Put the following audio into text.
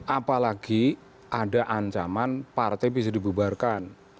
apalagi ada ancaman partai bisa dibubarkan